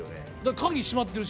鍵閉まっているし。